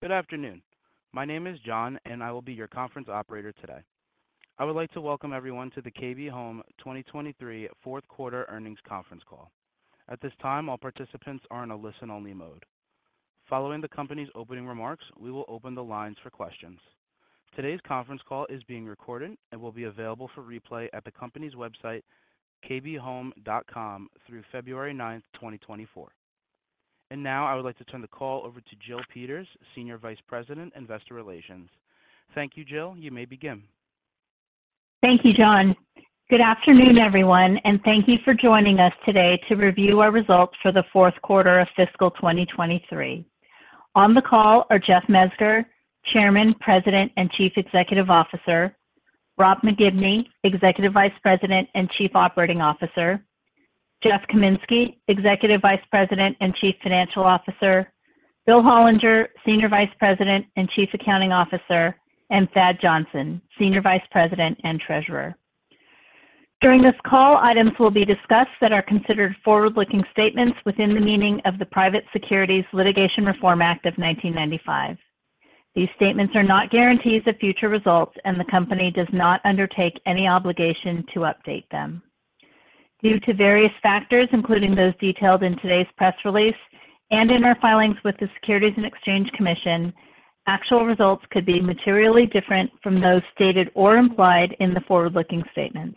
Good afternoon. My name is John, and I will be your conference operator today. I would like to welcome everyone to the KB Home 2023 fourth quarter earnings conference call. At this time, all participants are in a listen-only mode. Following the company's opening remarks, we will open the lines for questions. Today's conference call is being recorded and will be available for replay at the company's website, kbhome.com, through February 9, 2024. And now I would like to turn the call over to Jill Peters, Senior Vice President, Investor Relations. Thank you, Jill. You may begin. Thank you, John. Good afternoon, everyone, and thank you for joining us today to review our results for the fourth quarter of fiscal 2023. On the call are Jeff Mezger, Chairman, President, and Chief Executive Officer, Rob McGibney, Executive Vice President and Chief Operating Officer, Jeff Kaminski, Executive Vice President and Chief Financial Officer, Bill Hollinger, Senior Vice President and Chief Accounting Officer, and Thad Johnson, Senior Vice President and Treasurer. During this call, items will be discussed that are considered forward-looking statements within the meaning of the Private Securities Litigation Reform Act of 1995. These statements are not guarantees of future results, and the company does not undertake any obligation to update them. Due to various factors, including those detailed in today's press release and in our filings with the Securities and Exchange Commission, actual results could be materially different from those stated or implied in the forward-looking statements.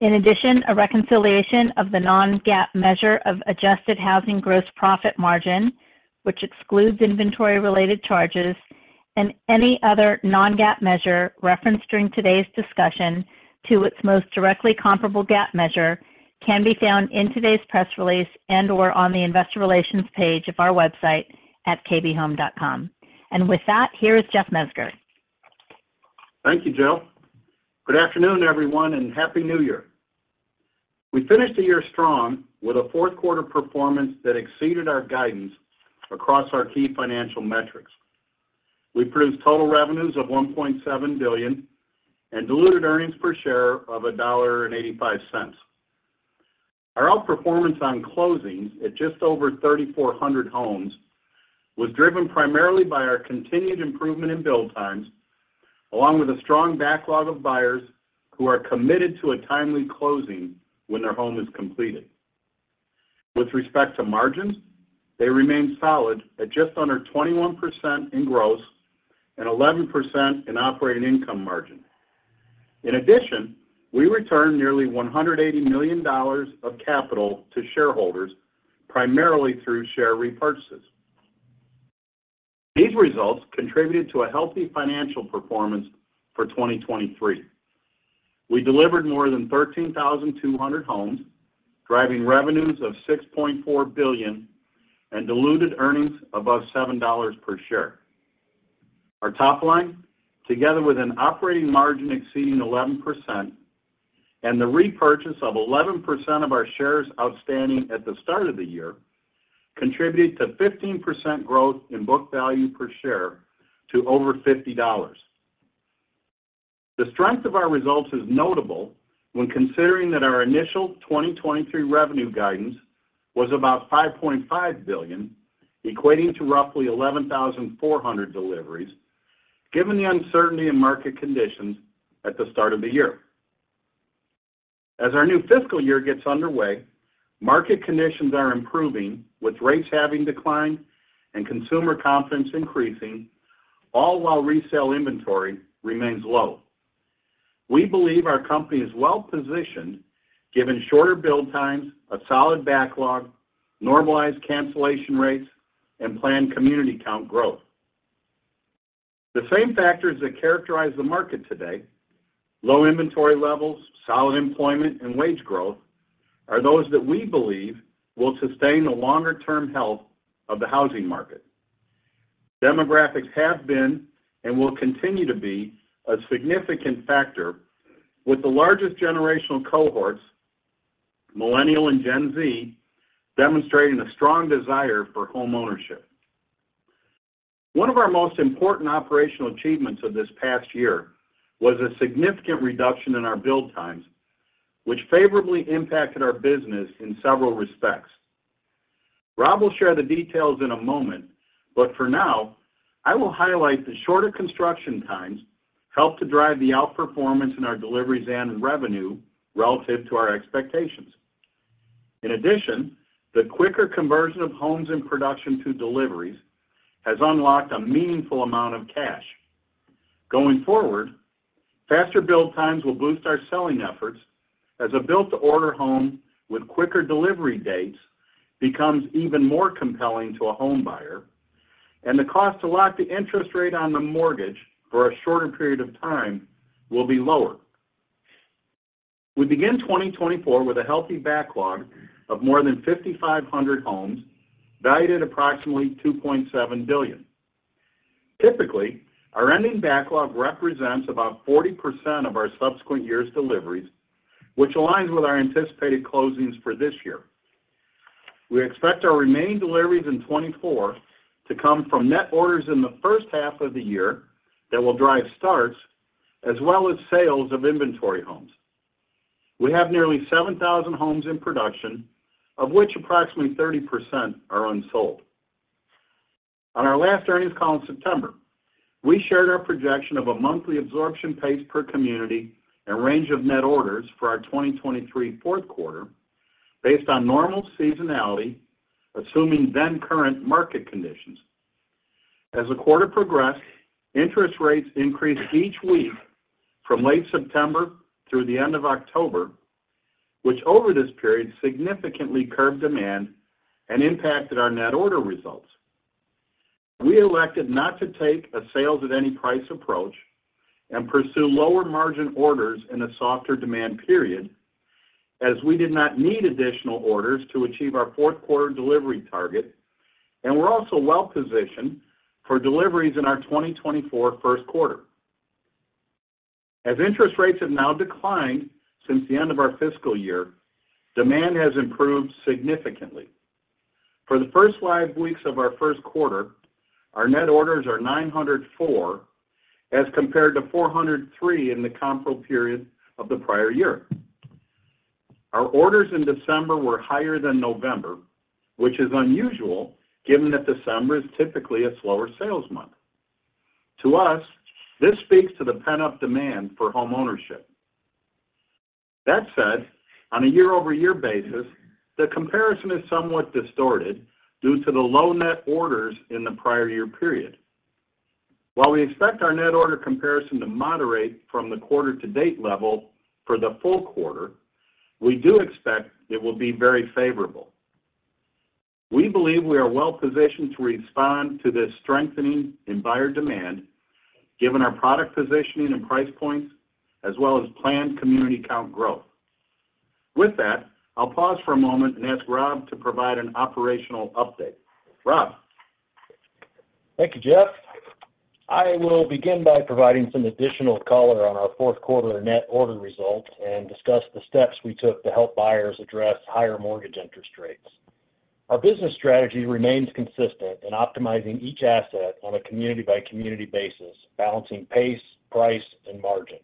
In addition, a reconciliation of the non-GAAP measure of adjusted housing gross profit margin, which excludes inventory-related charges and any other non-GAAP measure referenced during today's discussion to its most directly comparable GAAP measure, can be found in today's press release and/or on the Investor Relations page of our website at kbhome.com. With that, here is Jeff Mezger. Thank you, Jill. Good afternoon, everyone, and Happy New Year. We finished the year strong with a fourth-quarter performance that exceeded our guidance across our key financial metrics. We produced total revenues of $1.7 billion and diluted earnings per share of $1.85. Our outperformance on closings at just over 3,400 homes was driven primarily by our continued improvement in build times, along with a strong backlog of buyers who are committed to a timely closing when their home is completed. With respect to margins, they remained solid at just under 21% in gross and 11% in operating income margin. In addition, we returned nearly $180 million of capital to shareholders, primarily through share repurchases. These results contributed to a healthy financial performance for 2023. We delivered more than 13,200 homes, driving revenues of $6.4 billion and diluted earnings above $7 per share. Our top line, together with an operating margin exceeding 11% and the repurchase of 11% of our shares outstanding at the start of the year, contributed to 15% growth in book value per share to over $50. The strength of our results is notable when considering that our initial 2023 revenue guidance was about $5.5 billion, equating to roughly 11,400 deliveries, given the uncertainty in market conditions at the start of the year. As our new fiscal year gets underway, market conditions are improving, with rates having declined and consumer confidence increasing, all while resale inventory remains low. We believe our company is well-positioned, given shorter build times, a solid backlog, normalized cancellation rates, and planned community count growth. The same factors that characterize the market today, low inventory levels, solid employment and wage growth, are those that we believe will sustain the longer-term health of the housing market. Demographics have been and will continue to be a significant factor, with the largest generational cohorts, Millennial and Gen Z, demonstrating a strong desire for homeownership. One of our most important operational achievements of this past year was a significant reduction in our build times, which favorably impacted our business in several respects. Rob will share the details in a moment, but for now, I will highlight the shorter construction times helped to drive the outperformance in our deliveries and revenue relative to our expectations. In addition, the quicker conversion of homes in production to deliveries has unlocked a meaningful amount of cash. Going forward, faster build times will boost our selling efforts as a Built-to-Order home with quicker delivery dates becomes even more compelling to a homebuyer, and the cost to lock the interest rate on the mortgage for a shorter period of time will be lower. We begin 2024 with a healthy backlog of more than 5,500 homes, valued at approximately $2.7 billion. Typically, our ending backlog represents about 40% of our subsequent year's deliveries, which aligns with our anticipated closings for this year. We expect our remaining deliveries in 2024 to come from net orders in the first half of the year that will drive starts, as well as sales of inventory homes. We have nearly 7,000 homes in production, of which approximately 30% are unsold. On our last earnings call in September, we shared our projection of a monthly absorption pace per community and range of net orders for our 2023 fourth quarter based on normal seasonality, assuming then current market conditions. As the quarter progressed, interest rates increased each week from late September through the end of October, which over this period, significantly curbed demand and impacted our net order results. We elected not to take a sales at any price approach and pursue lower margin orders in a softer demand period, as we did not need additional orders to achieve our fourth quarter delivery target, and we're also well-positioned for deliveries in our 2024 first quarter. As interest rates have now declined since the end of our fiscal year, demand has improved significantly. For the first 5 weeks of our first quarter, our net orders are 904, as compared to 403 in the comp period of the prior year. Our orders in December were higher than November, which is unusual, given that December is typically a slower sales month. To us, this speaks to the pent-up demand for homeownership. That said, on a year-over-year basis, the comparison is somewhat distorted due to the low net orders in the prior year period. While we expect our net order comparison to moderate from the quarter to date level for the full quarter, we do expect it will be very favorable. We believe we are well positioned to respond to this strengthening in buyer demand, given our product positioning and price points, as well as planned community count growth. With that, I'll pause for a moment and ask Rob to provide an operational update. Rob? Thank you, Jeff. I will begin by providing some additional color on our fourth quarter net order result and discuss the steps we took to help buyers address higher mortgage interest rates. Our business strategy remains consistent in optimizing each asset on a community-by-community basis, balancing pace, price, and margin.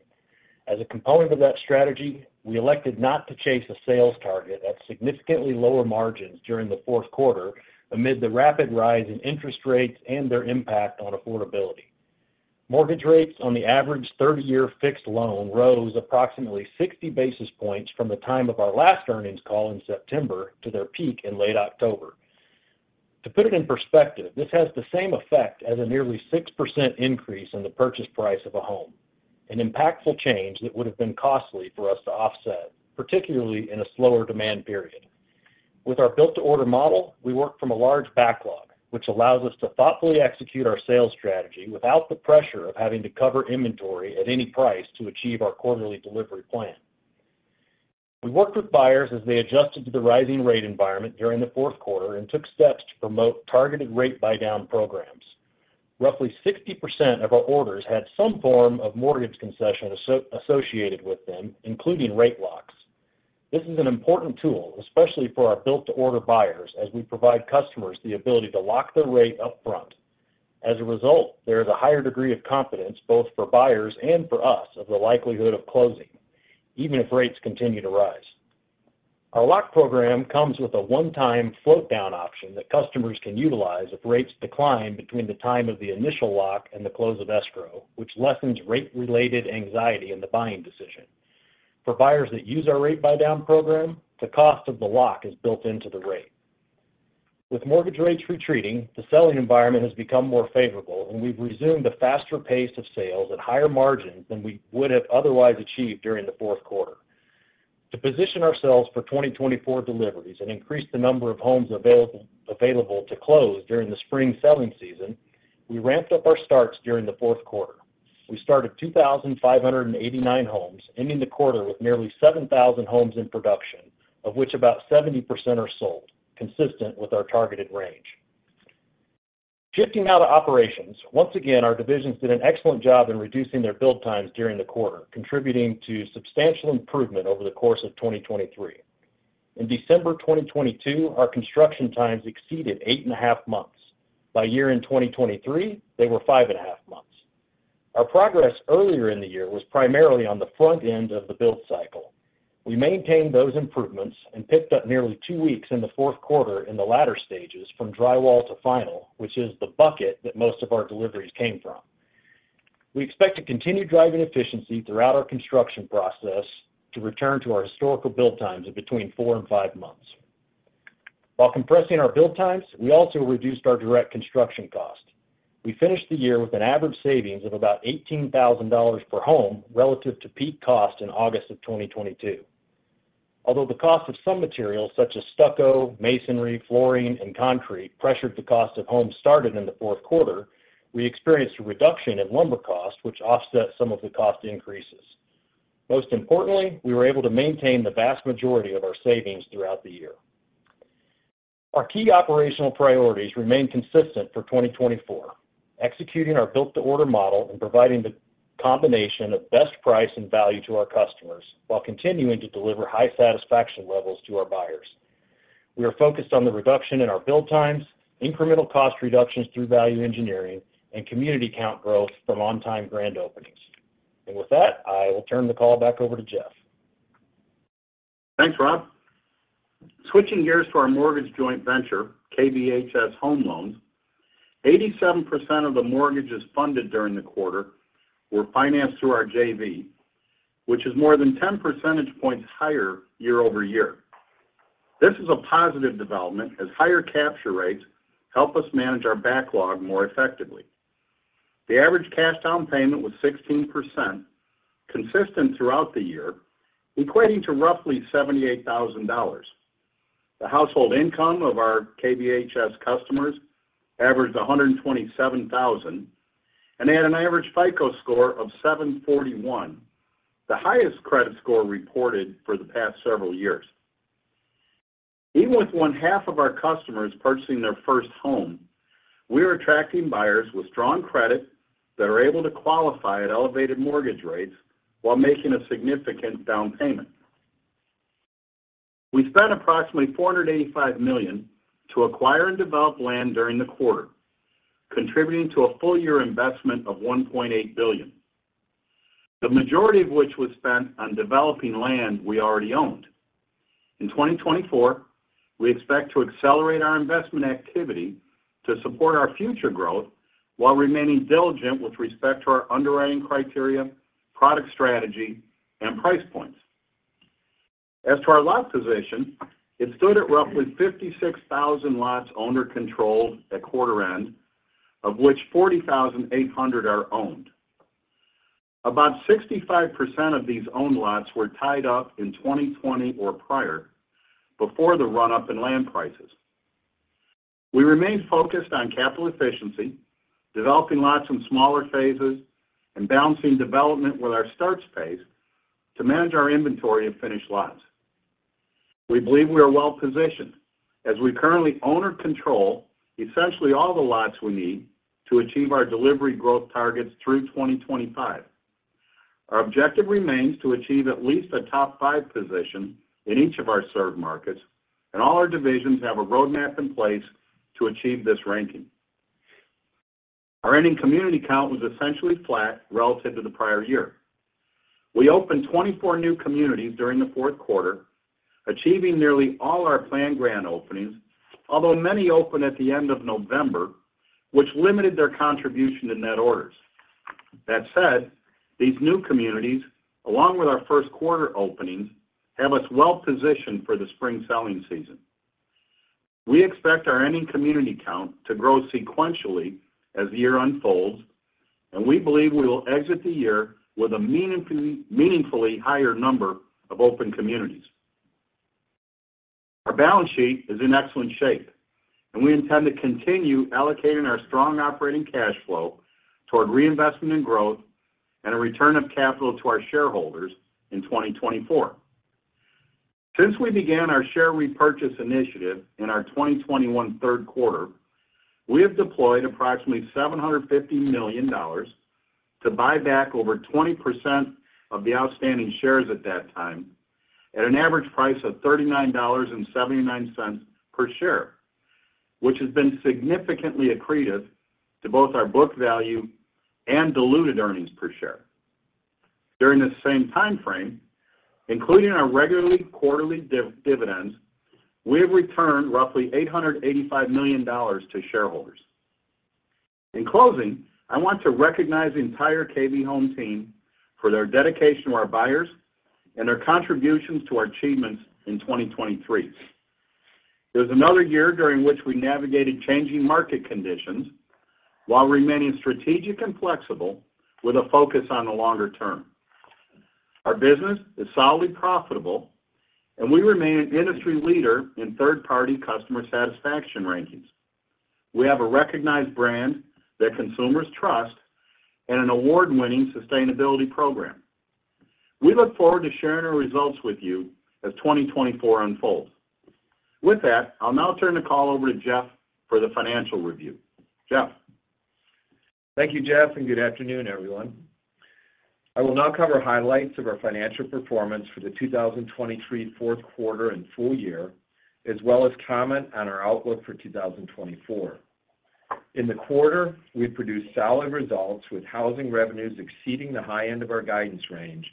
As a component of that strategy, we elected not to chase a sales target at significantly lower margins during the fourth quarter, amid the rapid rise in interest rates and their impact on affordability. Mortgage rates on the average 30-year fixed loan rose approximately 60 basis points from the time of our last earnings call in September to their peak in late October. To put it in perspective, this has the same effect as a nearly 6% increase in the purchase price of a home, an impactful change that would have been costly for us to offset, particularly in a slower demand period. With our Built-to-Order model, we work from a large backlog, which allows us to thoughtfully execute our sales strategy without the pressure of having to cover inventory at any price to achieve our quarterly delivery plan. We worked with buyers as they adjusted to the rising rate environment during the fourth quarter and took steps to promote targeted rate buydown programs. Roughly 60% of our orders had some form of mortgage concession associated with them, including rate locks. This is an important tool, especially for our Built-to-Order buyers, as we provide customers the ability to lock their rate up front. As a result, there is a higher degree of confidence, both for buyers and for us, of the likelihood of closing, even if rates continue to rise. Our lock program comes with a one-time float-down option that customers can utilize if rates decline between the time of the initial lock and the close of escrow, which lessens rate-related anxiety in the buying decision. For buyers that use our rate buydown program, the cost of the lock is built into the rate. With mortgage rates retreating, the selling environment has become more favorable, and we've resumed a faster pace of sales at higher margins than we would have otherwise achieved during the fourth quarter. To position ourselves for 2024 deliveries and increase the number of homes available to close during the spring selling season, we ramped up our starts during the fourth quarter. We started 2,589 homes, ending the quarter with nearly 7,000 homes in production, of which about 70% are sold, consistent with our targeted range. Shifting now to operations. Once again, our divisions did an excellent job in reducing their build times during the quarter, contributing to substantial improvement over the course of 2023. In December 2022, our construction times exceeded eight and a half months. By year-end in 2023, they were five and a half months. Our progress earlier in the year was primarily on the front end of the build cycle. We maintained those improvements and picked up nearly 2 weeks in the fourth quarter in the latter stages, from drywall to final, which is the bucket that most of our deliveries came from. We expect to continue driving efficiency throughout our construction process to return to our historical build times of between 4 and 5 months. While compressing our build times, we also reduced our direct construction cost. We finished the year with an average savings of about $18,000 per home, relative to peak cost in August of 2022. Although the cost of some materials, such as stucco, masonry, flooring, and concrete, pressured the cost of homes started in the fourth quarter, we experienced a reduction in lumber cost, which offset some of the cost increases. Most importantly, we were able to maintain the vast majority of our savings throughout the year. Our key operational priorities remain consistent for 2024, executing our Built-to-Order model and providing the combination of best price and value to our customers, while continuing to deliver high satisfaction levels to our buyers. We are focused on the reduction in our build times, incremental cost reductions through value engineering, and community count growth from on-time grand openings. With that, I will turn the call back over to Jeff. Thanks, Rob. Switching gears to our mortgage joint venture, KBHS Home Loans, 87% of the mortgages funded during the quarter were financed through our JV, which is more than 10 percentage points higher year-over-year. This is a positive development, as higher capture rates help us manage our backlog more effectively. The average cash down payment was 16%, consistent throughout the year, equating to roughly $78,000. The household income of our KBHS customers averaged $127,000, and they had an average FICO score of 741, the highest credit score reported for the past several years. Even with one-half of our customers purchasing their first home, we are attracting buyers with strong credit that are able to qualify at elevated mortgage rates while making a significant down payment. We spent approximately $485 million to acquire and develop land during the quarter, contributing to a full year investment of $1.8 billion. The majority of which was spent on developing land we already owned. In 2024, we expect to accelerate our investment activity to support our future growth while remaining diligent with respect to our underwriting criteria, product strategy, and price points. As to our lot position, it stood at roughly 56,000 lots owner-controlled at quarter end, of which 40,800 are owned. About 65% of these owned lots were tied up in 2020 or prior, before the run-up in land prices. We remain focused on capital efficiency, developing lots in smaller phases, and balancing development with our starts pace to manage our inventory of finished lots. We believe we are well-positioned, as we currently own or control essentially all the lots we need to achieve our delivery growth targets through 2025. Our objective remains to achieve at least a top five position in each of our served markets, and all our divisions have a roadmap in place to achieve this ranking. Our ending community count was essentially flat relative to the prior year. We opened 24 new communities during the fourth quarter, achieving nearly all our planned grand openings, although many opened at the end of November, which limited their contribution to net orders. That said, these new communities, along with our first quarter openings, have us well positioned for the spring selling season. We expect our ending community count to grow sequentially as the year unfolds, and we believe we will exit the year with a meaningfully higher number of open communities. Our balance sheet is in excellent shape, and we intend to continue allocating our strong operating cash flow toward reinvestment in growth and a return of capital to our shareholders in 2024. Since we began our share repurchase initiative in our 2021 third quarter, we have deployed approximately $750 million to buy back over 20% of the outstanding shares at that time, at an average price of $39.79 per share, which has been significantly accretive to both our book value and diluted earnings per share. During the same time frame, including our regular quarterly dividends, we have returned roughly $885 million to shareholders. In closing, I want to recognize the entire KB Home team for their dedication to our buyers and their contributions to our achievements in 2023. It was another year during which we navigated changing market conditions while remaining strategic and flexible with a focus on the longer term. Our business is solidly profitable, and we remain an industry leader in third-party customer satisfaction rankings. We have a recognized brand that consumers trust and an award-winning sustainability program. We look forward to sharing our results with you as 2024 unfolds. With that, I'll now turn the call over to Jeff for the financial review. Jeff? Thank you, Jeff, and good afternoon, everyone. I will now cover highlights of our financial performance for the 2023 fourth quarter and full year, as well as comment on our outlook for 2024. In the quarter, we produced solid results, with housing revenues exceeding the high end of our guidance range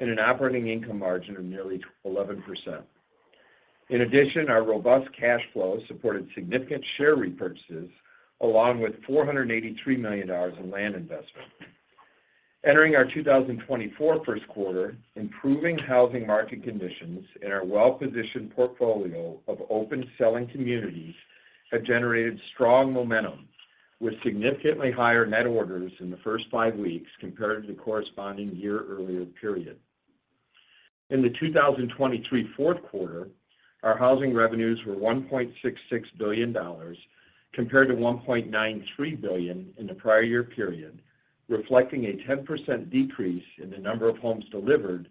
and an operating income margin of nearly 11%. In addition, our robust cash flow supported significant share repurchases, along with $483 million in land investment. Entering our 2024 first quarter, improving housing market conditions and our well-positioned portfolio of open selling communities have generated strong momentum, with significantly higher net orders in the first five weeks compared to the corresponding year earlier period. In the 2023 fourth quarter, our housing revenues were $1.66 billion, compared to $1.93 billion in the prior year period, reflecting a 10% decrease in the number of homes delivered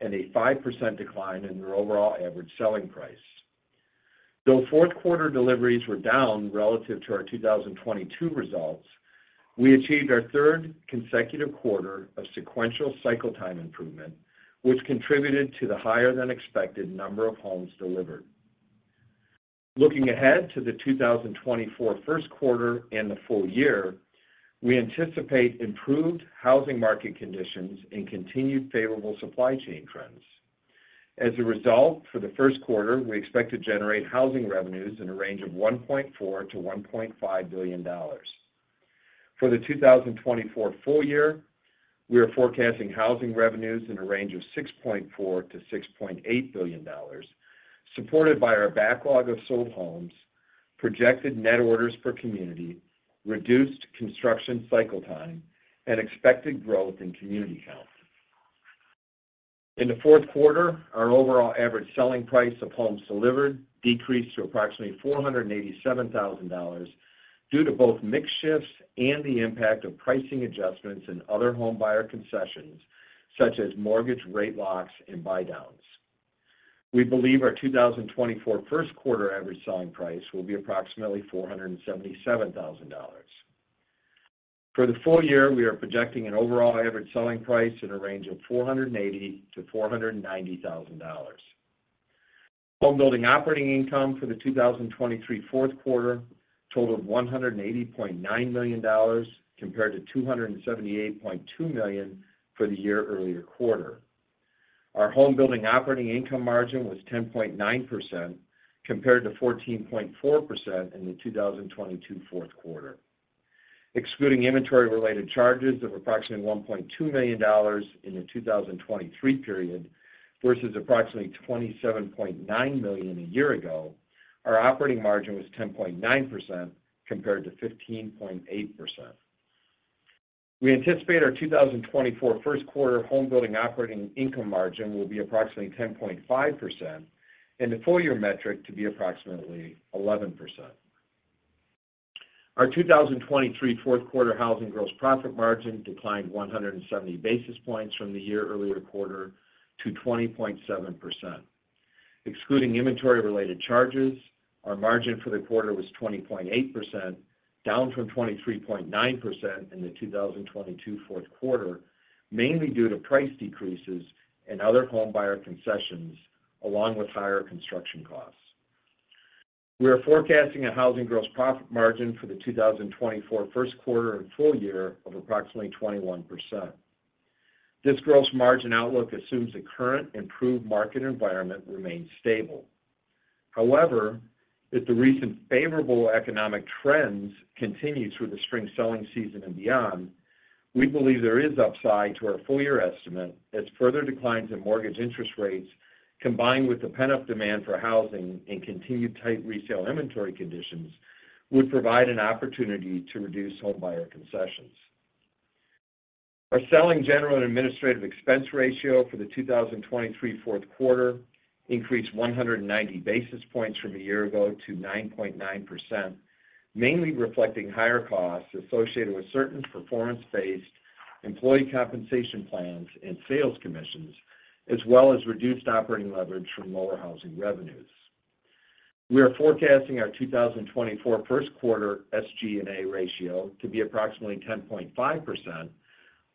and a 5% decline in our overall average selling price. Though fourth quarter deliveries were down relative to our 2022 results. We achieved our third consecutive quarter of sequential cycle time improvement, which contributed to the higher-than-expected number of homes delivered. Looking ahead to the 2024 first quarter and the full year, we anticipate improved housing market conditions and continued favorable supply chain trends. As a result, for the first quarter, we expect to generate housing revenues in a range of $1.4 billion-$1.5 billion. For the 2024 full year, we are forecasting housing revenues in a range of $6.4 billion-$6.8 billion, supported by our backlog of sold homes, projected net orders per community, reduced construction cycle time, and expected growth in community count. In the fourth quarter, our overall average selling price of homes delivered decreased to approximately $487,000, due to both mix shifts and the impact of pricing adjustments and other homebuyer concessions, such as mortgage rate locks and buydowns. We believe our 2024 first quarter average selling price will be approximately $477,000. For the full year, we are projecting an overall average selling price in a range of $480,000-$490,000. Homebuilding operating income for the 2023 fourth quarter totaled $180.9 million, compared to $278.2 million for the year-earlier quarter. Our homebuilding operating income margin was 10.9%, compared to 14.4% in the 2022 fourth quarter. Excluding inventory-related charges of approximately $1.2 million in the 2023 period versus approximately $27.9 million a year ago, our operating margin was 10.9% compared to 15.8%. We anticipate our 2024 first quarter homebuilding operating income margin will be approximately 10.5%, and the full year metric to be approximately 11%. Our 2023 fourth quarter housing gross profit margin declined 170 basis points from the year-earlier quarter to 20.7%. Excluding inventory-related charges, our margin for the quarter was 20.8%, down from 23.9% in the 2022 fourth quarter, mainly due to price decreases and other homebuyer concessions, along with higher construction costs. We are forecasting a housing gross profit margin for the 2024 first quarter and full year of approximately 21%. This gross margin outlook assumes the current improved market environment remains stable. However, if the recent favorable economic trends continue through the spring selling season and beyond, we believe there is upside to our full year estimate as further declines in mortgage interest rates, combined with the pent-up demand for housing and continued tight retail inventory conditions, would provide an opportunity to reduce homebuyer concessions. Our selling, general, and administrative expense ratio for the 2023 fourth quarter increased 190 basis points from a year ago to 9.9%, mainly reflecting higher costs associated with certain performance-based employee compensation plans and sales commissions, as well as reduced operating leverage from lower housing revenues. We are forecasting our 2024 first quarter SG&A ratio to be approximately 10.5%,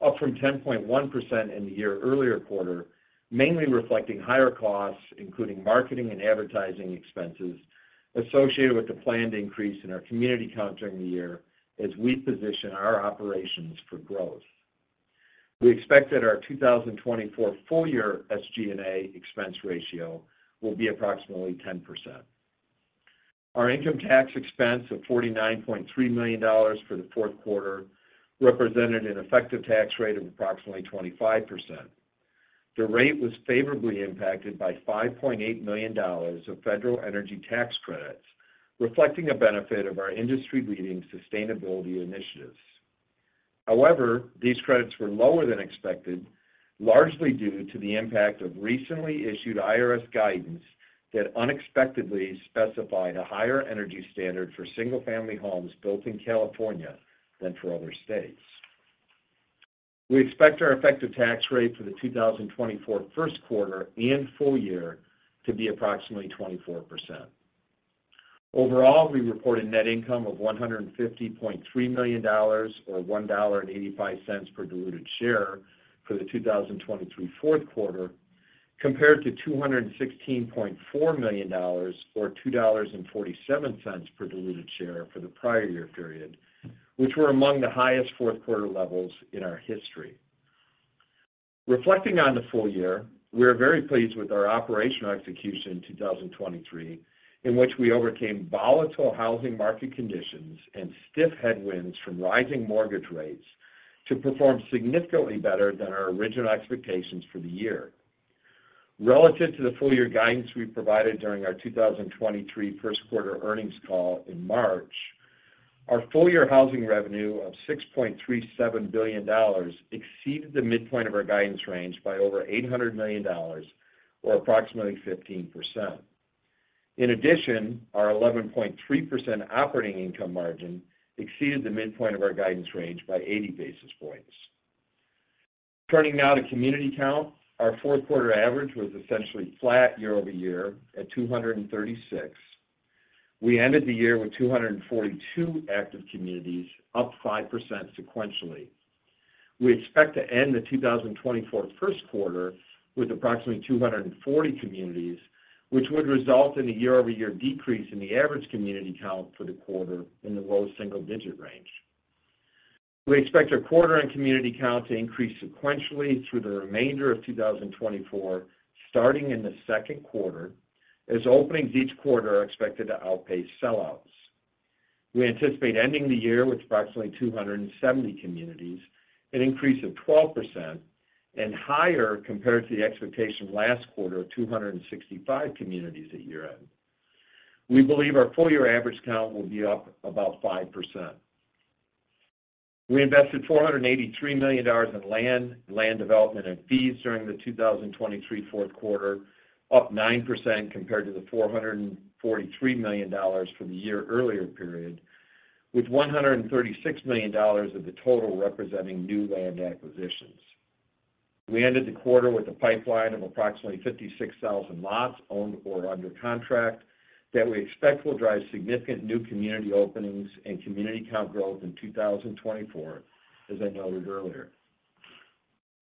up from 10.1% in the year-earlier quarter, mainly reflecting higher costs, including marketing and advertising expenses, associated with the planned increase in our community count during the year as we position our operations for growth. We expect that our 2024 full-year SG&A expense ratio will be approximately 10%. Our income tax expense of $49.3 million for the fourth quarter represented an effective tax rate of approximately 25%. The rate was favorably impacted by $5.8 million of federal energy tax credits, reflecting a benefit of our industry-leading sustainability initiatives. However, these credits were lower than expected, largely due to the impact of recently issued IRS guidance that unexpectedly specified a higher energy standard for single-family homes built in California than for other states. We expect our effective tax rate for the 2024 first quarter and full year to be approximately 24%. Overall, we reported net income of $150.3 million or $1.85 per diluted share for the 2023 fourth quarter, compared to $216.4 million or $2.47 per diluted share for the prior year period, which were among the highest fourth quarter levels in our history. Reflecting on the full year, we are very pleased with our operational execution in 2023, in which we overcame volatile housing market conditions and stiff headwinds from rising mortgage rates to perform significantly better than our original expectations for the year. Relative to the full-year guidance we provided during our 2023 first quarter earnings call in March, our full-year housing revenue of $6.37 billion exceeded the midpoint of our guidance range by over $800 million, or approximately 15%. In addition, our 11.3% operating income margin exceeded the midpoint of our guidance range by 80 basis points. Turning now to community count. Our fourth quarter average was essentially flat year-over-year at 236. We ended the year with 242 active communities, up 5% sequentially. We expect to end the 2024 first quarter with approximately 240 communities, which would result in a year-over-year decrease in the average community count for the quarter in the low single-digit range. We expect our quarter-end community count to increase sequentially through the remainder of 2024, starting in the second quarter, as openings each quarter are expected to outpace sellouts. We anticipate ending the year with approximately 270 communities, an increase of 12% and higher compared to the expectations last quarter of 265 communities at year-end. We believe our full year average count will be up about 5%. We invested $483 million in land, land development, and fees during the 2023 fourth quarter, up 9% compared to the $443 million from the year earlier period, with $136 million of the total representing new land acquisitions. We ended the quarter with a pipeline of approximately 56,000 lots owned or under contract, that we expect will drive significant new community openings and community count growth in 2024, as I noted earlier.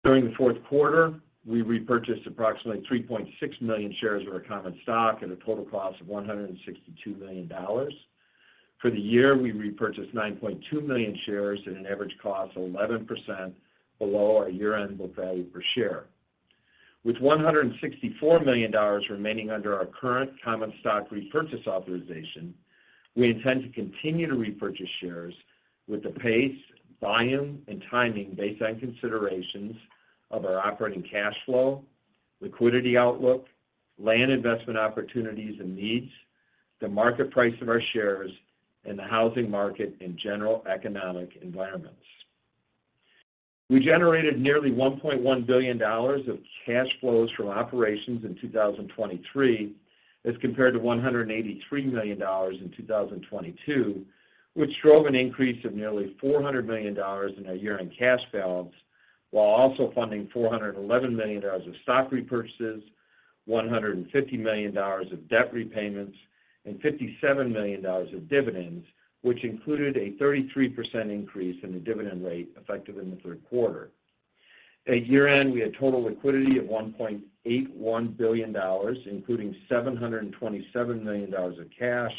During the fourth quarter, we repurchased approximately 3.6 million shares of our common stock at a total cost of $162 million. For the year, we repurchased 9.2 million shares at an average cost of 11% below our year-end book value per share. With $164 million remaining under our current common stock repurchase authorization, we intend to continue to repurchase shares with the pace, volume, and timing based on considerations of our operating cash flow, liquidity outlook, land investment opportunities and needs, the market price of our shares, and the housing market in general economic environments. We generated nearly $1.1 billion of cash flows from operations in 2023, as compared to $183 million in 2022, which drove an increase of nearly $400 million in our year-end cash balance, while also funding $411 million of stock repurchases, $150 million of debt repayments, and $57 million of dividends, which included a 33% increase in the dividend rate effective in the third quarter. At year-end, we had total liquidity of $1.81 billion, including $727 million of cash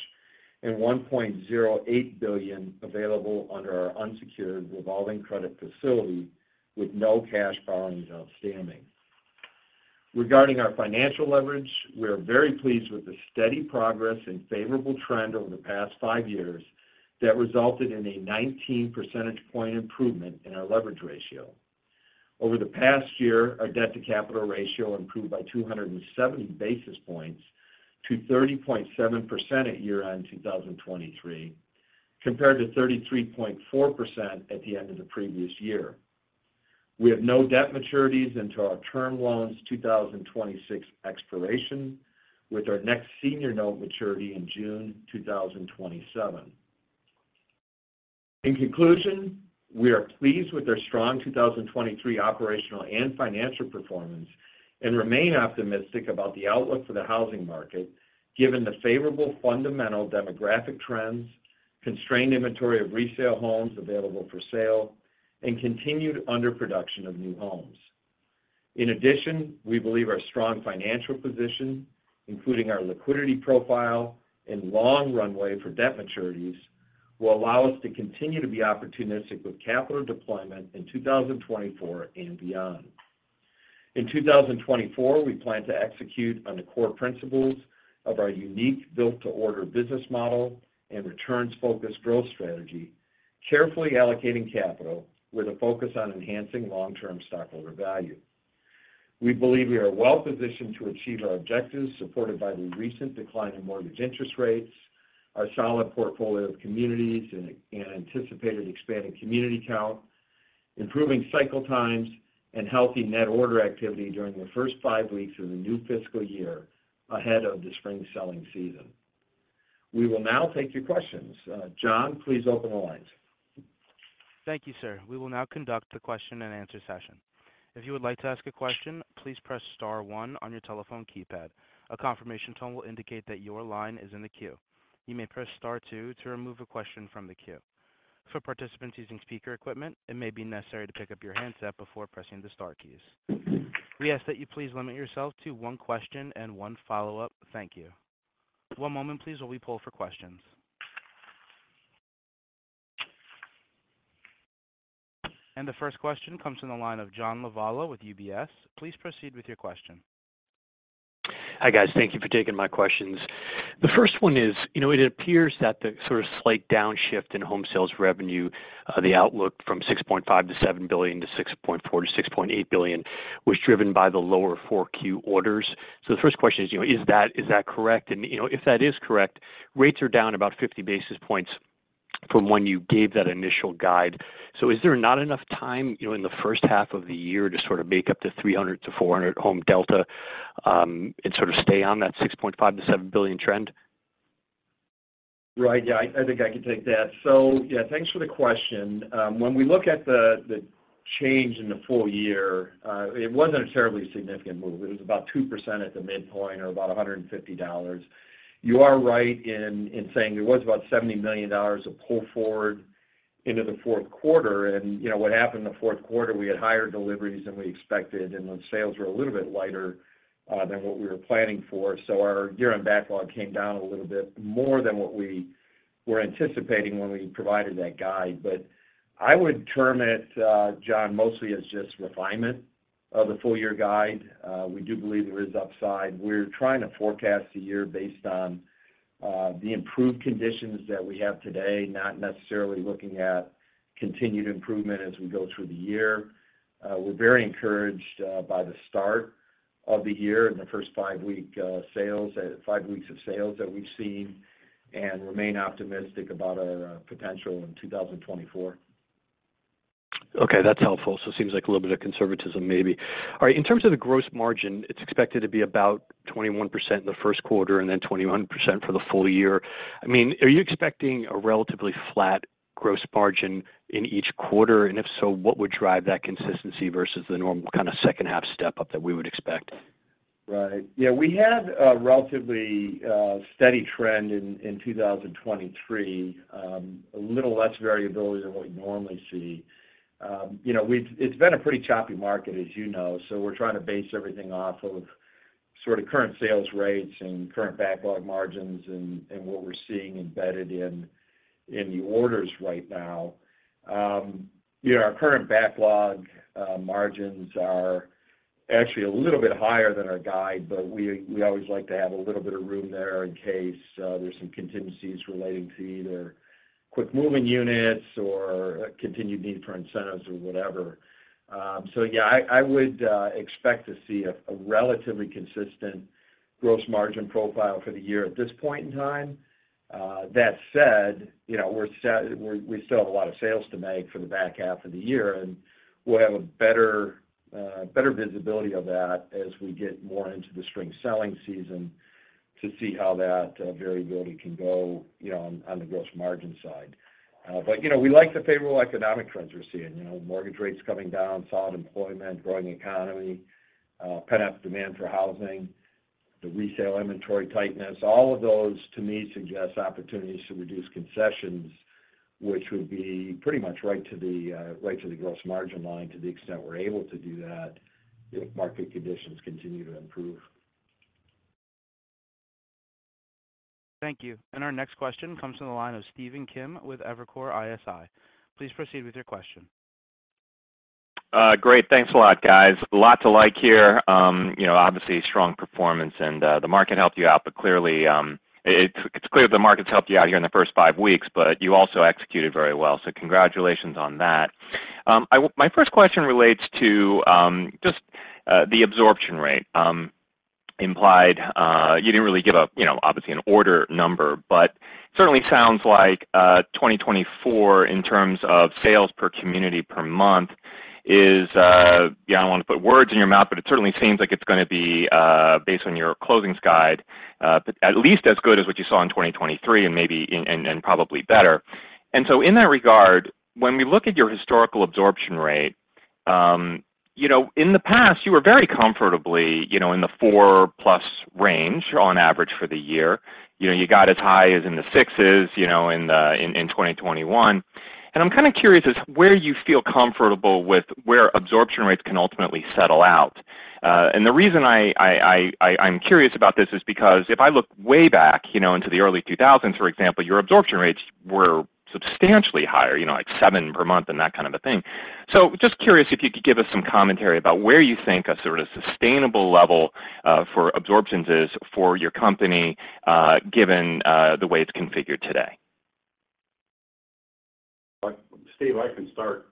and $1.08 billion available under our unsecured revolving credit facility, with no cash borrowings outstanding. Regarding our financial leverage, we are very pleased with the steady progress and favorable trend over the past five years that resulted in a 19 percentage point improvement in our leverage ratio. Over the past year, our debt to capital ratio improved by 270 basis points to 30.7% at year-end 2023, compared to 33.4% at the end of the previous year. We have no debt maturities until our term loans 2026 expiration, with our next senior note maturity in June 2027. In conclusion, we are pleased with our strong 2023 operational and financial performance, and remain optimistic about the outlook for the housing market, given the favorable fundamental demographic trends, constrained inventory of resale homes available for sale, and continued underproduction of new homes. In addition, we believe our strong financial position, including our liquidity profile and long runway for debt maturities, will allow us to continue to be opportunistic with capital deployment in 2024 and beyond. In 2024, we plan to execute on the core principles of our unique Built-to-Order business model and returns-focused growth strategy, carefully allocating capital with a focus on enhancing long-term stockholder value. We believe we are well positioned to achieve our objectives, supported by the recent decline in mortgage interest rates, our solid portfolio of communities and anticipated expanding community count, improving cycle times, and healthy net order activity during the first five weeks of the new fiscal year ahead of the spring selling season. We will now take your questions. John, please open the lines. Thank you, sir. We will now conduct the question and answer session. If you would like to ask a question, please press star one on your telephone keypad. A confirmation tone will indicate that your line is in the queue. You may press star two to remove a question from the queue. For participants using speaker equipment, it may be necessary to pick up your handset before pressing the star keys. We ask that you please limit yourself to one question and one follow-up. Thank you. One moment please, while we poll for questions. The first question comes from the line of John Lovallo with UBS. Please proceed with your question. Hi, guys. Thank you for taking my questions. The first one is, you know, it appears that the sort of slight downshift in home sales revenue, the outlook from $6.5 billion-$7 billion to $6.4 billion-$6.8 billion, was driven by the lower 4Q orders. So the first question is, you know, is that, is that correct? And, you know, if that is correct, rates are down about 50 basis points from when you gave that initial guide. So is there not enough time, you know, in the first half of the year to sort of make up the 300-400 home delta, and sort of stay on that $6.5 billion-$7 billion trend?... Right. Yeah, I think I can take that. So yeah, thanks for the question. When we look at the change in the full year, it wasn't a terribly significant move. It was about 2% at the midpoint, or about $150. You are right in saying there was about $70 million of pull forward into the fourth quarter. And you know, what happened in the fourth quarter, we had higher deliveries than we expected, and those sales were a little bit lighter than what we were planning for. So our year-end backlog came down a little bit more than what we were anticipating when we provided that guide. But I would term it, John, mostly as just refinement of the full year guide. We do believe there is upside. We're trying to forecast the year based on the improved conditions that we have today, not necessarily looking at continued improvement as we go through the year. We're very encouraged by the start of the year and the first five weeks of sales that we've seen and remain optimistic about our potential in 2024. Okay, that's helpful. Seems like a little bit of conservatism, maybe. All right. In terms of the gross margin, it's expected to be about 21% in the first quarter and then 21% for the full year. I mean, are you expecting a relatively flat gross margin in each quarter? And if so, what would drive that consistency versus the normal kind of second half step-up that we would expect? Right. Yeah, we had a relatively steady trend in 2023. A little less variability than what we normally see. You know, it's been a pretty choppy market, as you know, so we're trying to base everything off of sort of current sales rates and current backlog margins and what we're seeing embedded in the orders right now. Yeah, our current backlog margins are actually a little bit higher than our guide, but we always like to have a little bit of room there in case there's some contingencies relating to either quick moving units or a continued need for incentives or whatever. So yeah, I would expect to see a relatively consistent gross margin profile for the year at this point in time. That said, you know, we still have a lot of sales to make for the back half of the year, and we'll have a better, better visibility of that as we get more into the spring selling season to see how that, variability can go, you know, on, on the gross margin side. But, you know, we like the favorable economic trends we're seeing, you know, mortgage rates coming down, solid employment, growing economy, pent-up demand for housing, the retail inventory tightness. All of those, to me, suggest opportunities to reduce concessions, which would be pretty much right to the, right to the gross margin line to the extent we're able to do that, if market conditions continue to improve. Thank you. Our next question comes from the line of Stephen Kim with Evercore ISI. Please proceed with your question. Great. Thanks a lot, guys. A lot to like here. You know, obviously, strong performance and, the market helped you out, but clearly, it's clear the market's helped you out here in the first five weeks, but you also executed very well. So congratulations on that. My first question relates to, just, the absorption rate, implied, you didn't really give a, you know, obviously an order number, but certainly sounds like, 2024, in terms of sales per community per month, is, yeah, I don't want to put words in your mouth, but it certainly seems like it's gonna be, based on your closings guide, but at least as good as what you saw in 2023 and maybe, and probably better. In that regard, when we look at your historical absorption rate, you know, in the past, you were very comfortably, you know, in the 4+ range on average for the year. You know, you got as high as in the 6s, you know, in 2021. And I'm kind of curious as where you feel comfortable with where absorption rates can ultimately settle out. And the reason I'm curious about this is because if I look way back, you know, into the early 2000s, for example, your absorption rates were substantially higher, you know, like 7 per month and that kind of a thing. So just curious if you could give us some commentary about where you think a sort of sustainable level for absorptions is for your company, given the way it's configured today. Steve, I can start.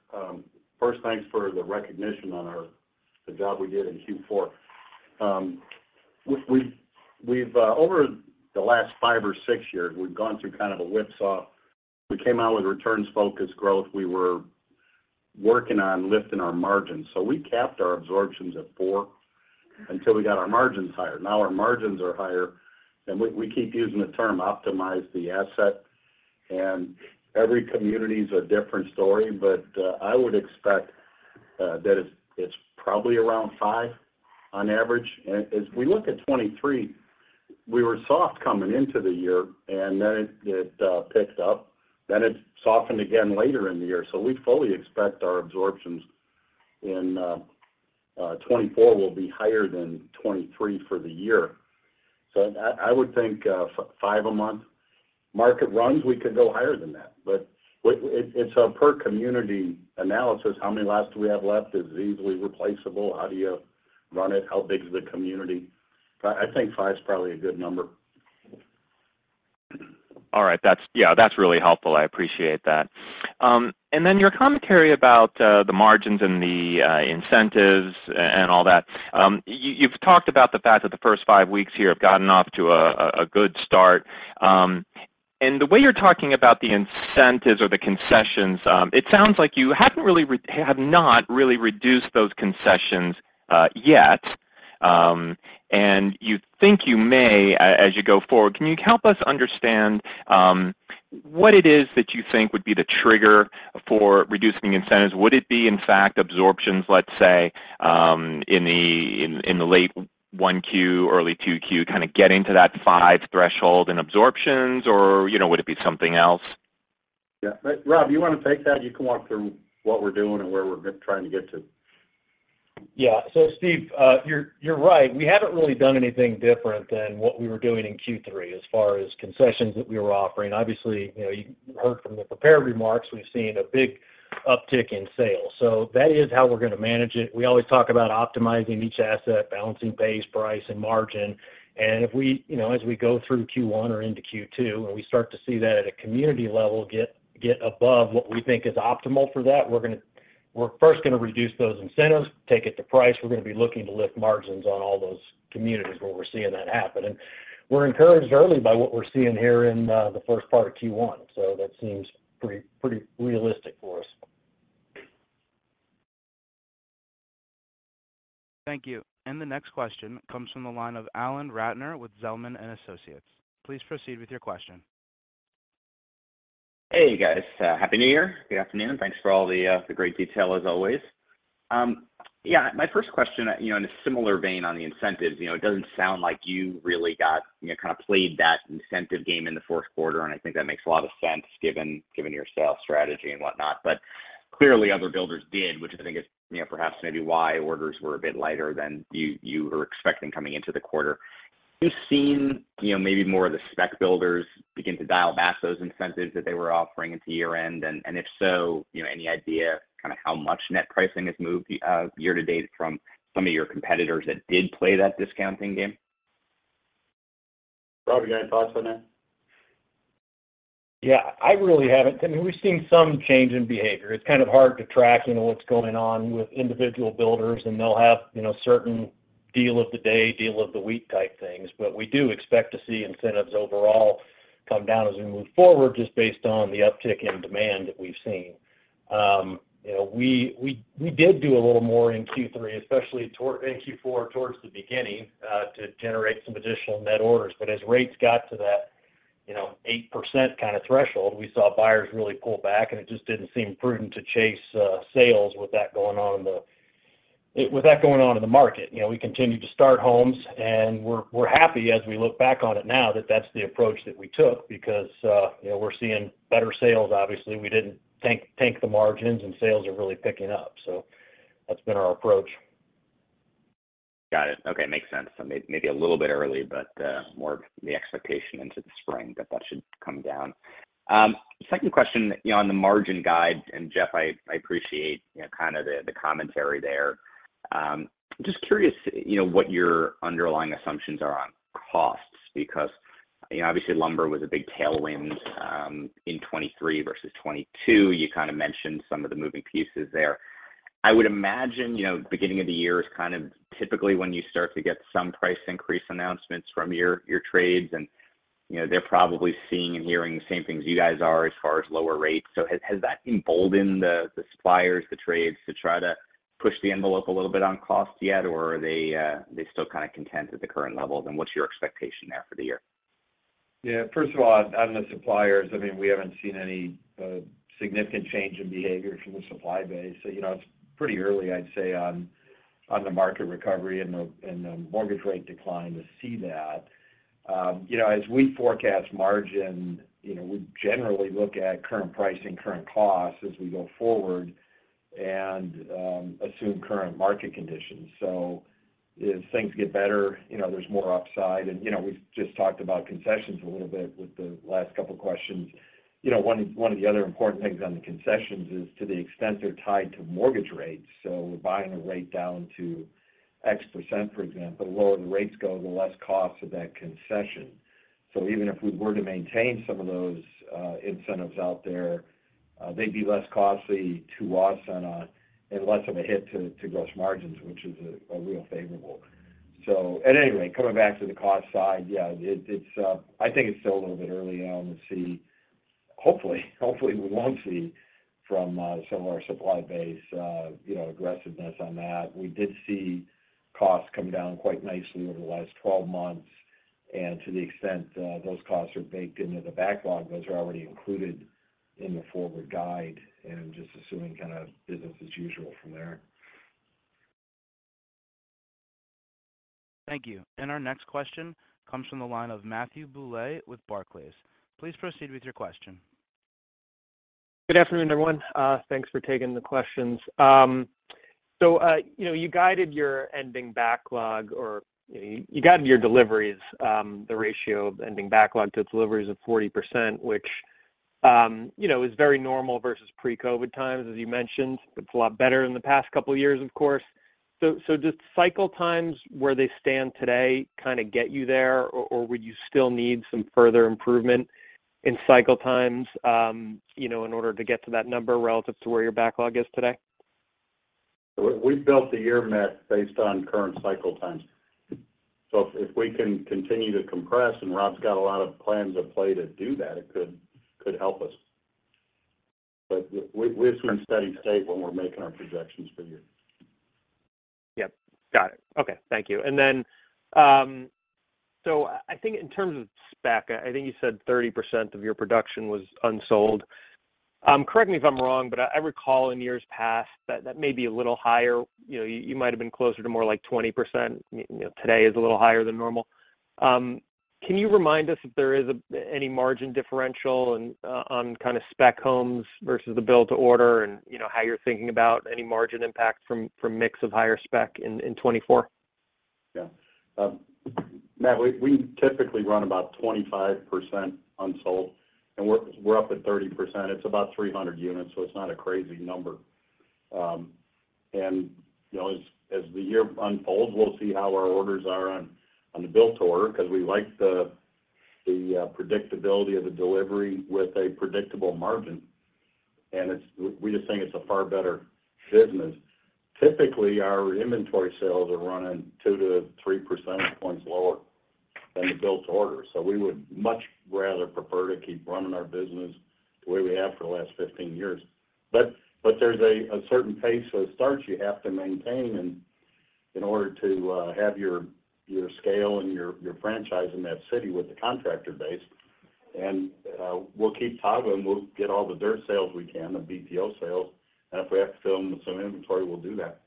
First, thanks for the recognition on the job we did in Q4. Over the last 5 or 6 years, we've gone through kind of a whipsaw. We came out with returns-focused growth. We were working on lifting our margins, so we capped our absorptions at 4 until we got our margins higher. Now, our margins are higher, and we keep using the term optimize the asset, and every community is a different story, but I would expect that it's probably around 5 on average. And as we look at 2023, we were soft coming into the year, and then it picked up, then it softened again later in the year. So we fully expect our absorptions in 2024 will be higher than 2023 for the year. So I would think, five a month. Market runs, we could go higher than that, but it's a per community analysis. How many lots do we have left? Is it easily replaceable? How do you run it? How big is the community? But I think five is probably a good number. All right. That's... Yeah, that's really helpful. I appreciate that. And then your commentary about the margins and the incentives and all that. You've talked about the fact that the first five weeks here have gotten off to a good start. And the way you're talking about the incentives or the concessions, it sounds like you have not really reduced those concessions yet.... and you think you may, as you go forward, can you help us understand what it is that you think would be the trigger for reducing incentives? Would it be, in fact, absorptions, let's say, in the late 1Q, early 2Q, kind of getting to that 5 threshold in absorptions, or, you know, would it be something else? Yeah. Rob, you want to take that? You can walk through what we're doing and where we're trying to get to. Yeah. So Steve, you're right. We haven't really done anything different than what we were doing in Q3, as far as concessions that we were offering. Obviously, you know, you heard from the prepared remarks, we've seen a big uptick in sales, so that is how we're going to manage it. We always talk about optimizing each asset, balancing pace, price, and margin. And if we, you know, as we go through Q1 or into Q2, and we start to see that at a community level get above what we think is optimal for that, we're going to. We're first going to reduce those incentives, take it to price. We're going to be looking to lift margins on all those communities where we're seeing that happen. We're encouraged early by what we're seeing here in the first part of Q1, so that seems pretty, pretty realistic for us. Thank you. The next question comes from the line of Alan Ratner with Zelman & Associates. Please proceed with your question. Hey, guys. Happy New Year. Good afternoon, thanks for all the great detail, as always. Yeah, my first question, you know, in a similar vein on the incentives, you know, it doesn't sound like you really got, you know, kind of played that incentive game in the fourth quarter, and I think that makes a lot of sense, given your sales strategy and whatnot. But clearly, other builders did, which I think is, you know, perhaps maybe why orders were a bit lighter than you were expecting coming into the quarter. You've seen, you know, maybe more of the spec builders begin to dial back those incentives that they were offering into year-end, and if so, you know, any idea kind of how much net pricing has moved year to date from some of your competitors that did play that discounting game? Rob, you got any thoughts on that? Yeah, I really haven't. I mean, we've seen some change in behavior. It's kind of hard to track, you know, what's going on with individual builders, and they'll have, you know, certain deal of the day, deal of the week type things. But we do expect to see incentives overall come down as we move forward, just based on the uptick in demand that we've seen. You know, we did do a little more in Q3, especially in Q4, towards the beginning, to generate some additional net orders. But as rates got to that, you know, 8% kind of threshold, we saw buyers really pull back, and it just didn't seem prudent to chase sales with that going on in the market. You know, we continued to start homes, and we're happy as we look back on it now, that that's the approach that we took, because, you know, we're seeing better sales. Obviously, we didn't tank the margins, and sales are really picking up. So that's been our approach. Got it. Okay, makes sense. So maybe a little bit early, but more of the expectation into the spring that that should come down. Second question, you know, on the margin guide, and Jeff, I appreciate, you know, kind of the commentary there. Just curious, you know, what your underlying assumptions are on costs, because, you know, obviously, lumber was a big tailwind in 2023 versus 2022. You kind of mentioned some of the moving pieces there. I would imagine, you know, beginning of the year is kind of typically when you start to get some price increase announcements from your trades, and, you know, they're probably seeing and hearing the same things you guys are as far as lower rates. So has that emboldened the suppliers, the trades, to try to push the envelope a little bit on cost yet? Or are they still kind of content at the current levels, and what's your expectation there for the year? Yeah, first of all, on the suppliers, I mean, we haven't seen any significant change in behavior from the supply base. So, you know, it's pretty early, I'd say, on the market recovery and the mortgage rate decline to see that. You know, as we forecast margin, you know, we generally look at current pricing, current costs as we go forward and assume current market conditions. So as things get better, you know, there's more upside. And, you know, we've just talked about concessions a little bit with the last couple of questions. You know, one of the other important things on the concessions is to the extent they're tied to mortgage rates, so we're buying a rate down to X%, for example, the lower the rates go, the less cost of that concession. So even if we were to maintain some of those incentives out there, they'd be less costly to us on a... and less of a hit to gross margins, which is a real favorable. So, and anyway, coming back to the cost side, yeah, it’s, I think it’s still a little bit early on to see. Hopefully, hopefully, we won't see from some of our supply base, you know, aggressiveness on that. We did see costs come down quite nicely over the last 12 months, and to the extent those costs are baked into the backlog, those are already included in the forward guide, and just assuming kind of business as usual from there. Thank you. And our next question comes from the line of Matthew Bouley with Barclays. Please proceed with your question. Good afternoon, everyone. Thanks for taking the questions. So, you know, you guided your ending backlog, or you guided your deliveries, the ratio of ending backlog to deliveries of 40%, which, you know, is very normal versus pre-COVID times, as you mentioned. It's a lot better in the past couple of years, of course. So do cycle times where they stand today, kind of get you there, or would you still need some further improvement in cycle times, you know, in order to get to that number relative to where your backlog is today? We've built the year mix based on current cycle times. So if we can continue to compress, and Rob's got a lot of plans in play to do that, it could help us, but we're in steady state when we're making our projections for the year. Yep, got it. Okay. Thank you. And then, so I think in terms of spec, I think you said 30% of your production was unsold. Correct me if I'm wrong, but I recall in years past that that may be a little higher. You know, you might have been closer to more like 20%. You know, today is a little higher than normal. Can you remind us if there is any margin differential and on kind of spec homes versus the Built-to-Order and, you know, how you're thinking about any margin impact from mix of higher spec in 2024? Yeah. Matt, we typically run about 25% unsold, and we're up at 30%. It's about 300 units, so it's not a crazy number. And, you know, as the year unfolds, we'll see how our orders are on the Built-to-Order, because we like the predictability of the delivery with a predictable margin, and we just think it's a far better business. Typically, our inventory sales are running 2-3 percentage points lower than the Built-to-Order, so we would much rather prefer to keep running our business the way we have for the last 15 years. But there's a certain pace of starts you have to maintain in order to have your scale and your franchise in that city with the contractor base. And we'll keep toggling. We'll get all the dirt sales we can, the BTO sales, and if we have to fill in some inventory, we'll do that.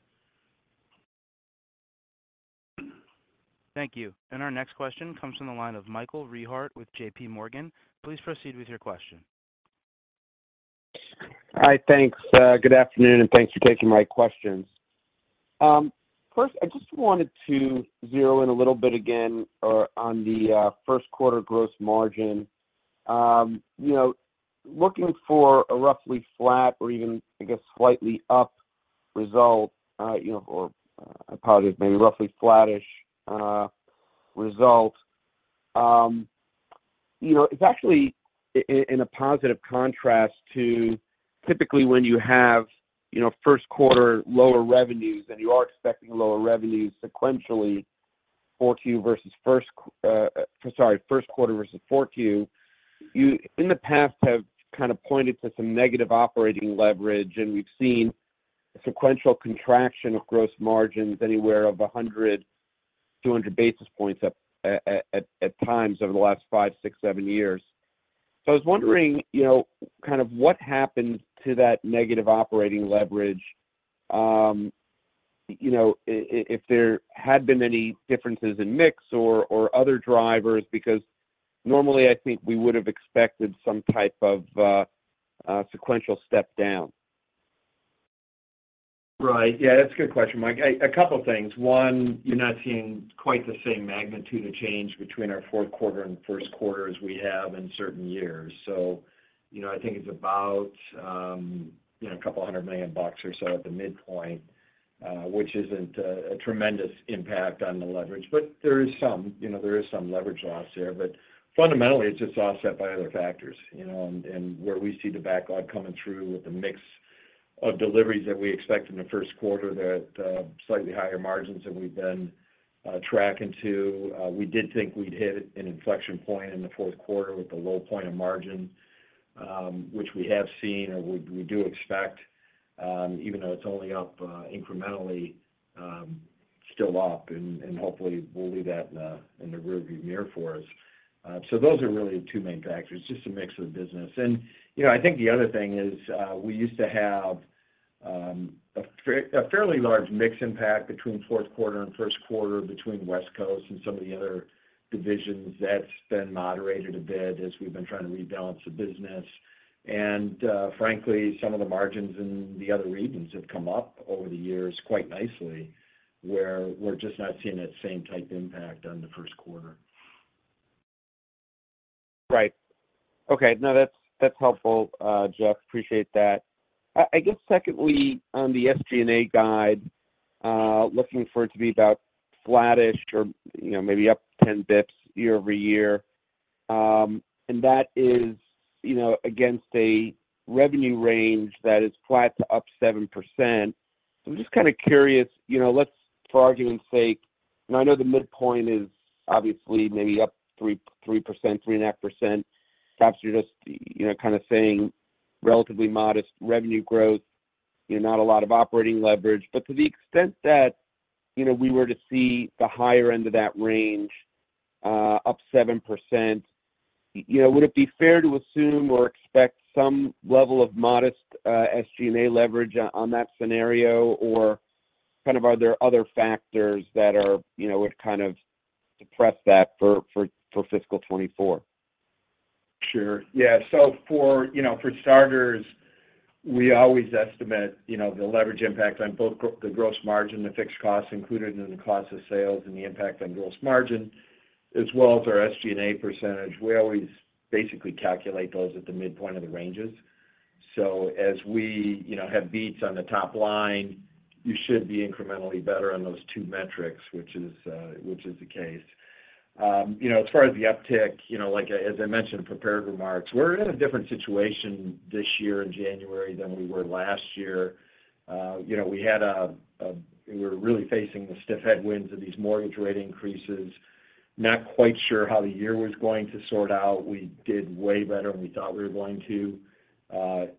Thank you. And our next question comes from the line of Michael Rehaut with J.P. Morgan. Please proceed with your question. Hi, thanks. Good afternoon, and thanks for taking my questions. First, I just wanted to zero in a little bit again on the first quarter gross margin. You know, looking for a roughly flat or even, I guess, slightly up result, you know, or apologies, maybe roughly flattish result. You know, it's actually in a positive contrast to typically when you have, you know, first quarter lower revenues and you are expecting lower revenues sequentially, Q4 versus first quarter. You in the past have kind of pointed to some negative operating leverage, and we've seen a sequential contraction of gross margins anywhere of 100, 200 basis points at times over the last 5, 6, 7 years. So I was wondering, you know, kind of what happened to that negative operating leverage? You know, if there had been any differences in mix or other drivers, because normally, I think we would have expected some type of sequential step down. Right. Yeah, that's a good question, Mike. A couple of things. One, you're not seeing quite the same magnitude of change between our fourth quarter and first quarter as we have in certain years. So, you know, I think it's about $200 million or so at the midpoint, which isn't a tremendous impact on the leverage, but there is some. You know, there is some leverage loss there, but fundamentally, it's just offset by other factors, you know, and where we see the backlog coming through with the mix of deliveries that we expect in the first quarter, they're at slightly higher margins than we've been tracking to. We did think we'd hit an inflection point in the fourth quarter with a low point of margin, which we have seen, or we do expect, even though it's only up incrementally, still up, and hopefully we'll leave that in the rearview mirror for us. So those are really the two main factors, just a mix of the business. And, you know, I think the other thing is, we used to have a fairly large mix impact between fourth quarter and first quarter between West Coast and some of the other divisions. That's been moderated a bit as we've been trying to rebalance the business. Frankly, some of the margins in the other regions have come up over the years quite nicely, where we're just not seeing that same type impact on the first quarter. Right. Okay. No, that's, that's helpful, Jeff. Appreciate that. I, I guess secondly, on the SG&A guide, looking for it to be about flattish or, you know, maybe up 10 basis points year-over-year. And that is, you know, against a revenue range that is flat to up 7%. So I'm just kind of curious, you know, let's, for argument's sake, and I know the midpoint is obviously maybe up 3%, 3.5%. Perhaps you're just, you know, kind of saying relatively modest revenue growth, you know, not a lot of operating leverage. But to the extent that, you know, we were to see the higher end of that range, up 7%, you know, would it be fair to assume or expect some level of modest, SG&A leverage on that scenario? Or kind of are there other factors that are, you know, would kind of depress that for fiscal 2024? Sure. Yeah. So for, you know, for starters, we always estimate, you know, the leverage impacts on both the gross margin, the fixed costs included in the cost of sales, and the impact on gross margin, as well as our SG&A percentage. We always basically calculate those at the midpoint of the ranges. So as we, you know, have beats on the top line, you should be incrementally better on those two metrics, which is, which is the case. You know, as far as the uptick, you know, like, as I mentioned in prepared remarks, we're in a different situation this year in January than we were last year. You know, we were really facing the stiff headwinds of these mortgage rate increases… not quite sure how the year was going to sort out. We did way better than we thought we were going to,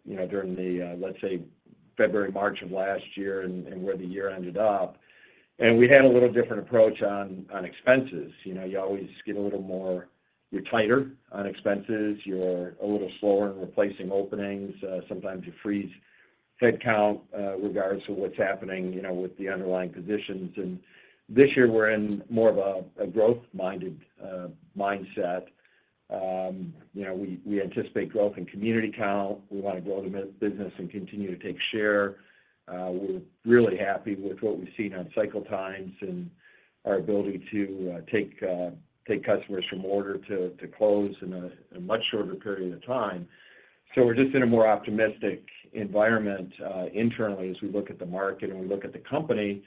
you know, during the, let's say, February, March of last year and where the year ended up. We had a little different approach on expenses. You know, you always get a little more, you're tighter on expenses, you're a little slower in replacing openings, sometimes you freeze head count, regardless of what's happening, you know, with the underlying positions. This year, we're in more of a growth-minded mindset. You know, we anticipate growth in community count. We want to grow the business and continue to take share. We're really happy with what we've seen on cycle times and our ability to take customers from order to close in a much shorter period of time. So we're just in a more optimistic environment internally, as we look at the market and we look at the company.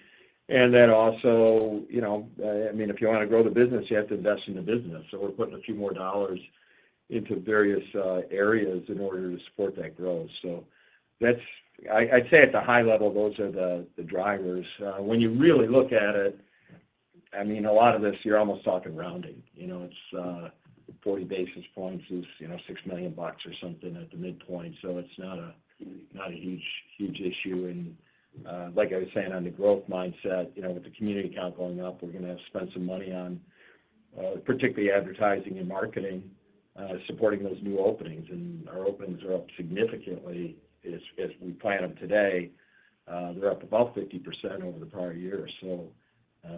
And then also, you know, I mean, if you want to grow the business, you have to invest in the business. So we're putting a few more dollars into various areas in order to support that growth. So that's... I'd say at the high level, those are the drivers. When you really look at it, I mean, a lot of this, you're almost talking rounding. You know, it's 40 basis points, you know, $6 million or something at the midpoint, so it's not a huge, huge issue. Like I was saying, on the growth mindset, you know, with the community count going up, we're going to have to spend some money on, particularly advertising and marketing, supporting those new openings. Our openings are up significantly as we plan them today. They're up about 50% over the prior year.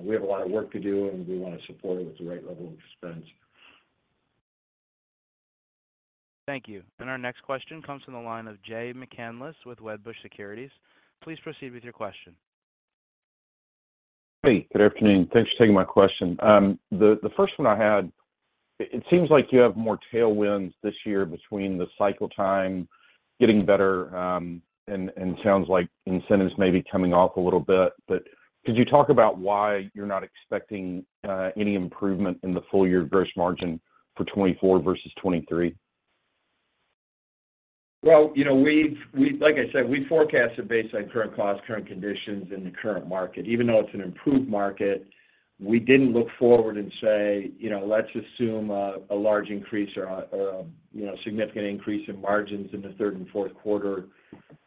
We have a lot of work to do, and we want to support it with the right level of expense. Thank you. Our next question comes from the line of Jay McCanless with Wedbush Securities. Please proceed with your question. Hey, good afternoon. Thanks for taking my question. The first one I had, it seems like you have more tailwinds this year between the cycle time getting better, and sounds like incentives may be coming off a little bit. But could you talk about why you're not expecting any improvement in the full year gross margin for 2024 versus 2023? Well, you know, like I said, we forecast it based on current costs, current conditions, and the current market. Even though it's an improved market, we didn't look forward and say, you know, "Let's assume, a large increase or a, you know, significant increase in margins in the third and fourth quarter,"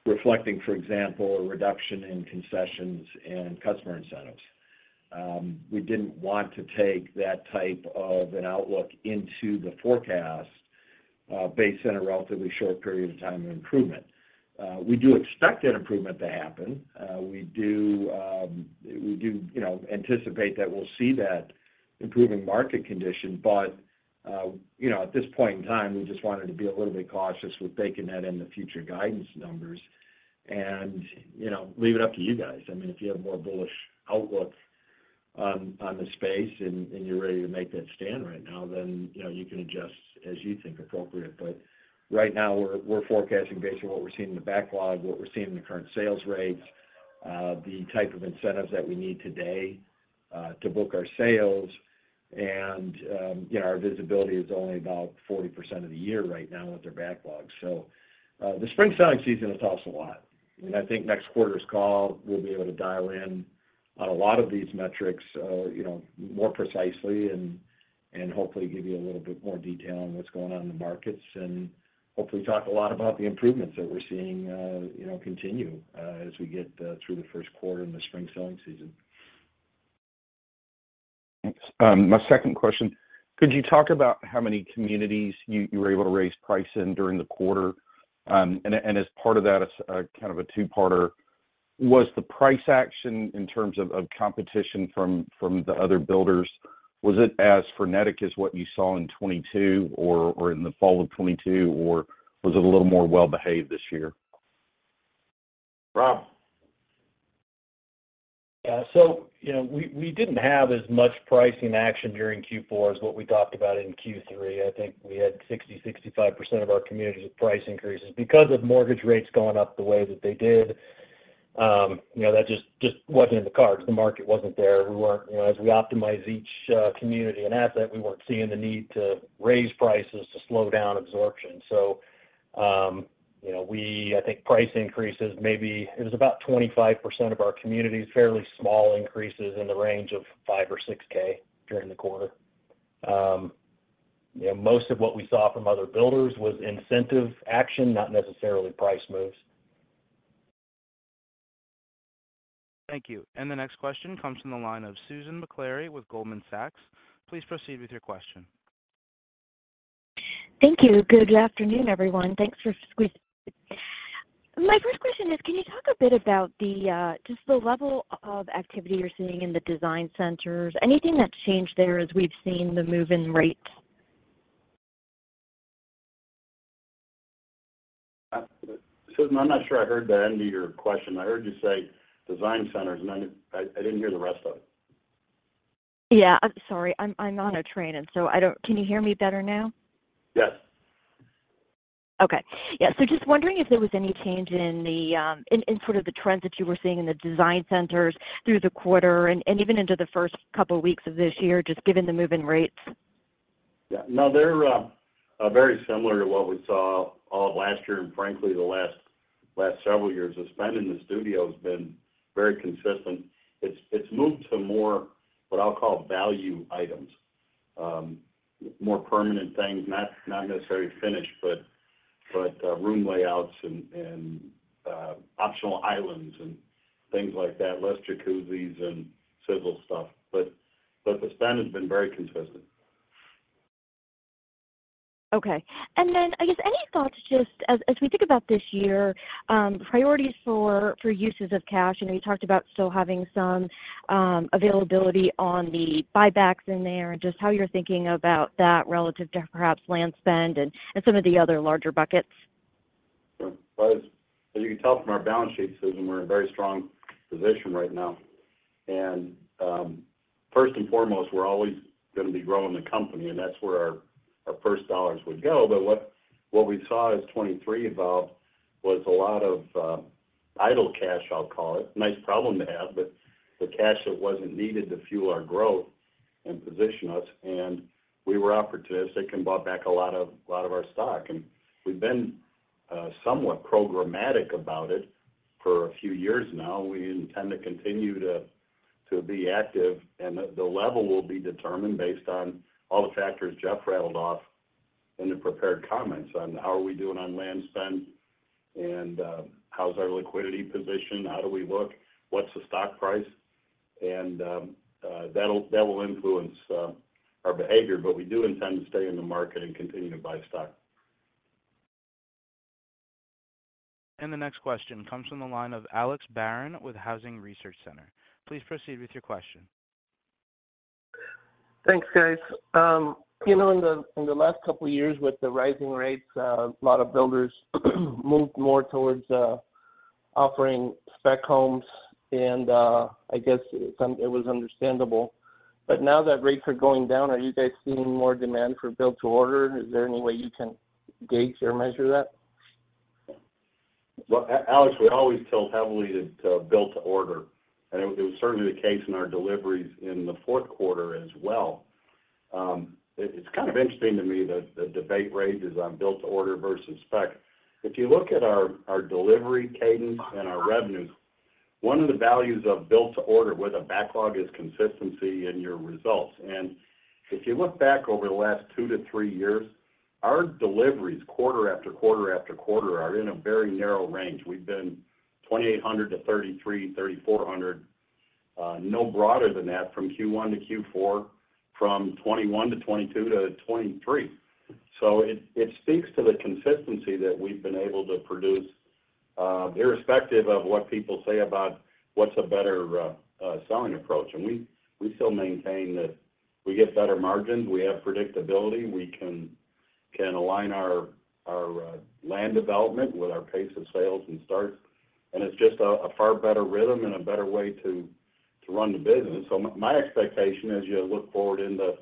reflecting, for example, a reduction in concessions and customer incentives. We didn't want to take that type of an outlook into the forecast, based on a relatively short period of time of improvement. We do expect that improvement to happen. We do, we do, you know, anticipate that we'll see that improving market condition. But, you know, at this point in time, we just wanted to be a little bit cautious with baking that in the future guidance numbers and, you know, leave it up to you guys. I mean, if you have a more bullish outlook, on the space and you're ready to make that stand right now, then, you know, you can adjust as you think appropriate. But right now, we're forecasting based on what we're seeing in the backlog, what we're seeing in the current sales rates, the type of incentives that we need today, to book our sales. And, you know, our visibility is only about 40% of the year right now with their backlogs. So, the spring selling season will tell us a lot. I think next quarter's call, we'll be able to dial in on a lot of these metrics, you know, more precisely and hopefully, give you a little bit more detail on what's going on in the markets, and hopefully, talk a lot about the improvements that we're seeing, you know, continue, as we get through the first quarter in the spring selling season. Thanks. My second question: could you talk about how many communities you were able to raise price in during the quarter? And as part of that, as kind of a two-parter, was the price action in terms of competition from the other builders as frenetic as what you saw in 2022 or in the fall of 2022, or was it a little more well-behaved this year? Rob? Yeah. So, you know, we didn't have as much pricing action during Q4 as what we talked about in Q3. I think we had 60%-65% of our communities with price increases. Because of mortgage rates going up the way that they did, you know, that just wasn't in the cards. The market wasn't there. We weren't... You know, as we optimize each community and asset, we weren't seeing the need to raise prices to slow down absorption. So, you know, we, I think price increases, maybe it was about 25% of our communities, fairly small increases in the range of $5,000-$6,000 during the quarter. You know, most of what we saw from other builders was incentive action, not necessarily price moves. Thank you. The next question comes from the line of Susan Maklari with Goldman Sachs. Please proceed with your question. Thank you. Good afternoon, everyone. Thanks for squeezing me in. My first question is, can you talk a bit about the, just the level of activity you're seeing in the design centers? Anything that's changed there as we've seen the move-in rates? Susan, I'm not sure I heard the end of your question. I heard you say design centers, and I didn't hear the rest of it. Yeah, I'm sorry. I'm on a train, and so I don't... Can you hear me better now? Yes. Okay. Yeah, so just wondering if there was any change in the sort of trends that you were seeing in the design centers through the quarter and even into the first couple of weeks of this year, just given the move-in rates?... Yeah, no, they're very similar to what we saw all of last year, and frankly, the last several years. The spend in the studio has been very consistent. It's moved to more, what I'll call value items, more permanent things, not necessarily finishes, but room layouts and optional islands and things like that. Less Jacuzzis and sizzle stuff, but the spend has been very consistent. Okay. And then, I guess, any thoughts, just as we think about this year, availability on the buybacks in there, and just how you're thinking about that relative to perhaps land spend and some of the other larger buckets? Sure. Well, as you can tell from our balance sheet, Susan, we're in a very strong position right now. And first and foremost, we're always going to be growing the company, and that's where our first dollars would go. But what we saw as 2023 evolved was a lot of idle cash, I'll call it. Nice problem to have, but the cash that wasn't needed to fuel our growth and position us, and we were opportunistic and bought back a lot of our stock. And we've been somewhat programmatic about it for a few years now. We intend to continue to be active, and the level will be determined based on all the factors Jeff rattled off in the prepared comments on how are we doing on land spend, and how's our liquidity position, how do we look, what's the stock price? And that will influence our behavior, but we do intend to stay in the market and continue to buy stock. The next question comes from the line of Alex Barron with Housing Research Center. Please proceed with your question. Thanks, guys. You know, in the last couple of years with the rising rates, a lot of builders moved more towards offering spec homes, and I guess it was understandable. But now that rates are going down, are you guys seeing more demand for build-to-order? Is there any way you can gauge or measure that? Well, Alex, we always tilt heavily to Built-to-Order, and it was certainly the case in our deliveries in the fourth quarter as well. It's kind of interesting to me that the debate rages on Built-to-Order versus spec. If you look at our delivery cadence and our revenues, one of the values of Built-to-Order with a backlog is consistency in your results. And if you look back over the last two to three years, our deliveries, quarter after quarter after quarter, are in a very narrow range. We've been 2,800 to 3,300-3,400, no broader than that from Q1 to Q4, from 2021 to 2022 to 2023. So it speaks to the consistency that we've been able to produce, irrespective of what people say about what's a better selling approach. We still maintain that we get better margins, we have predictability, we can align our land development with our pace of sales and starts, and it's just a far better rhythm and a better way to run the business. So my expectation as you look forward into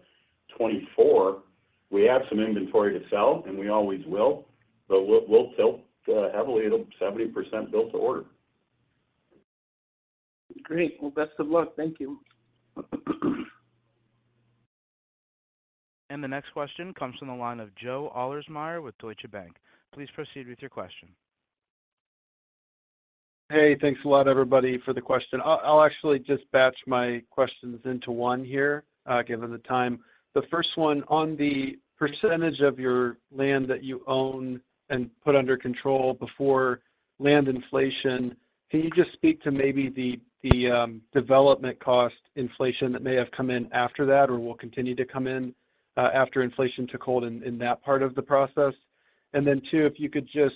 2024, we have some inventory to sell, and we always will, but we'll tilt heavily at a 70% Built-to-Order. Great. Well, best of luck. Thank you. The next question comes from the line of Joe Ahlersmeyer with Deutsche Bank. Please proceed with your question. Hey, thanks a lot, everybody, for the question. I'll actually just batch my questions into one here, given the time. The first one, on the percentage of your land that you own and put under control before land inflation, can you just speak to maybe the development cost inflation that may have come in after that or will continue to come in after inflation took hold in that part of the process? And then, two, if you could just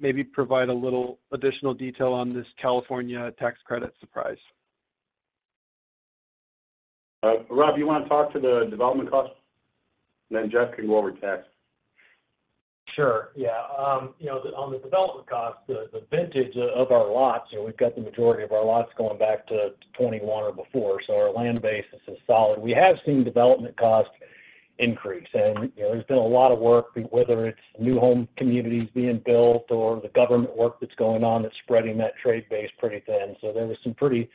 maybe provide a little additional detail on this California tax credit surprise. Rob, you want to talk to the development cost? And then Jeff can go over tax. Sure. Yeah. You know, on the development cost, the vintage of our lots, you know, we've got the majority of our lots going back to 2021 or before, so our land basis is solid. We have seen development cost increase, and, you know, there's been a lot of work, whether it's new home communities being built or the government work that's going on, that's spreading that trade base pretty thin. So there was some pretty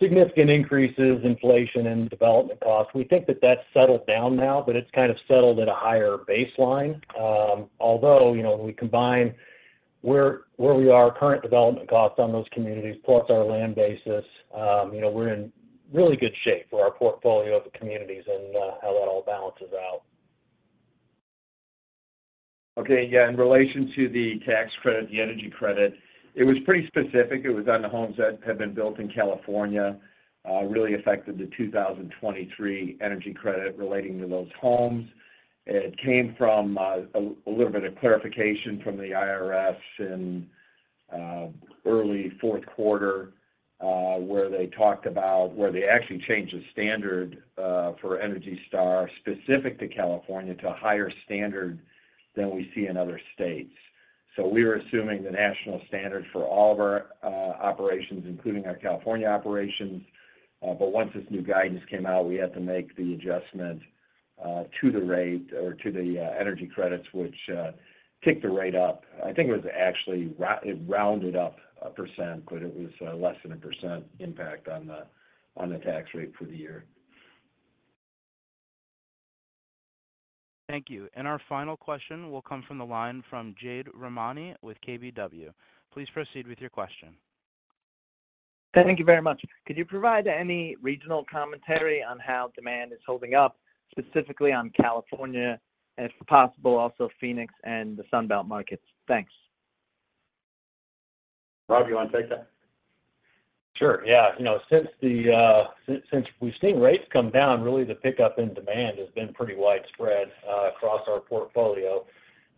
significant increases, inflation and development costs. We think that that's settled down now, but it's kind of settled at a higher baseline. Although, you know, when we combine where we are, current development costs on those communities plus our land basis, you know, we're in really good shape for our portfolio of communities and how that all balances out. Okay, yeah. In relation to the tax credit, the energy credit, it was pretty specific. It was on the homes that had been built in California, really affected the 2023 energy credit relating to those homes. It came from, a little bit of clarification from the IRS in early fourth quarter, where they talked about... where they actually changed the standard for ENERGY STAR specific to California, to a higher standard than we see in other states. So we were assuming the national standard for all of our operations, including our California operations. But once this new guidance came out, we had to make the adjustment to the rate or to the energy credits, which kicked the rate up. I think it was actually rounded up 1%, but it was less than 1% impact on the tax rate for the year. Thank you. And our final question will come from the line from Jade Rahmani with KBW. Please proceed with your question. Thank you very much. Could you provide any regional commentary on how demand is holding up, specifically on California, and if possible, also Phoenix and the Sun Belt markets? Thanks. Rob, you want to take that? Sure, yeah. You know, since we've seen rates come down, really the pickup in demand has been pretty widespread across our portfolio.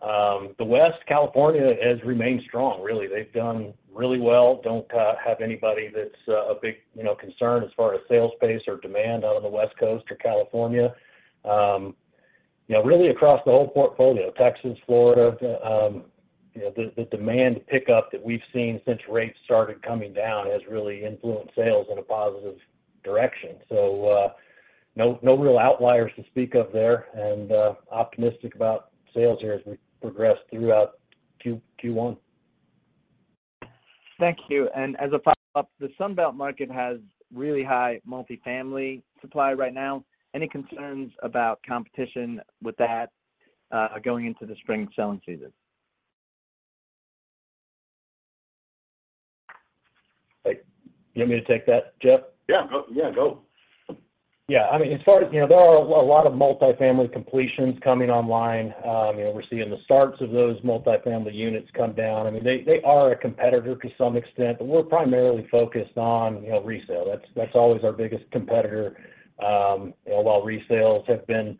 The West, California has remained strong, really. They've done really well. Don't have anybody that's a big, you know, concern as far as sales pace or demand out on the West Coast or California. You know, really across the whole portfolio, Texas, Florida, you know, the demand pickup that we've seen since rates started coming down has really influenced sales in a positive direction. So, no real outliers to speak of there, and optimistic about sales here as we progress throughout Q1. Thank you. As a follow-up, the Sun Belt market has really high multifamily supply right now. Any concerns about competition with that, going into the spring selling season? Hey, you want me to take that, Jeff? Yeah. Yeah, go. Yeah, I mean, as far as you know, there are a lot of multifamily completions coming online. You know, we're seeing the starts of those multifamily units come down. I mean, they are a competitor to some extent, but we're primarily focused on, you know, resale. That's always our biggest competitor. While resales have been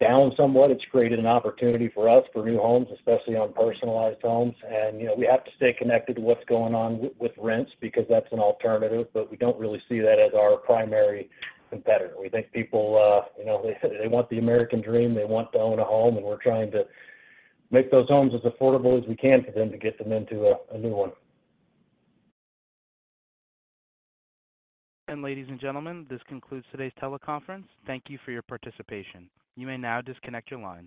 down somewhat, it's created an opportunity for us for new homes, especially on personalized homes. And, you know, we have to stay connected to what's going on with rents because that's an alternative, but we don't really see that as our primary competitor. We think people, you know, they want the American dream, they want to own a home, and we're trying to make those homes as affordable as we can for them to get them into a new one. Ladies and gentlemen, this concludes today's teleconference. Thank you for your participation. You may now disconnect your line.